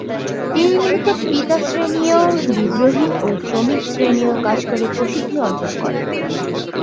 তিনি মূলত পিতাশ্রেণীয়, বিদ্রোহী ও শ্রমিক শ্রেণীয় কাজ করে প্রসিদ্ধি অর্জন করেন।